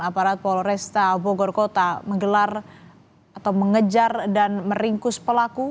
aparat polresta bogor kota menggelar atau mengejar dan meringkus pelaku